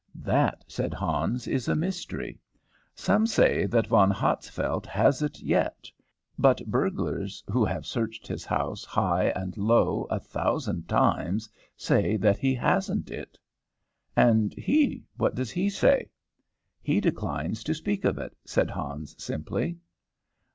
"That," said Hans, "is a mystery. Some say that Von Hatzfeldt has it yet, but burglars who have searched his house high and low a thousand times say that he hasn't it." "And he what does he say?" "He declines to speak of it," said Hans, simply.